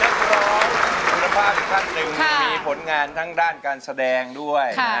เจ้าครอบมุมนภาพขีวิสในวิวัฒนีมีผลงานทั้งด้านการแสดงด้วยนะ